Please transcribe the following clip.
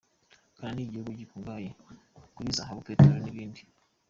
Ghana ni igihugu gikungahaye kuri zahabu, peteroli n’ibindi.